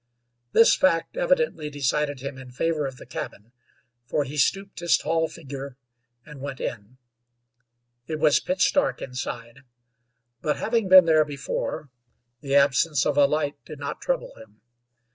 This fact evidently decided him in favor of the cabin, for he stooped his tall figure and went in. It was pitch dark inside; but having been there before, the absence of a light did not trouble him.